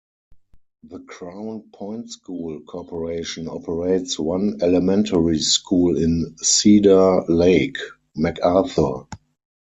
The Crown Point school corporation operates one elementary school in Cedar Lake: MacArthur.